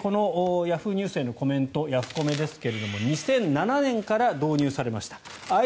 このＹａｈｏｏ！ニュースへのコメントヤフコメですが２００７年から導入されました。